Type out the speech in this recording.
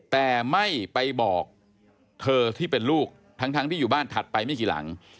แต่ไม่ไปบอกเธอที่เป็นลูกทั้งที่อยู่บ้านถัดไปไม่กี่หลัง